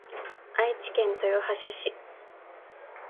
愛知県豊橋市